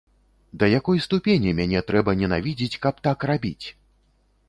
Да якой ступені мяне трэба ненавідзець, каб так рабіць?